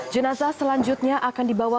jenazah selanjutnya akan dibawa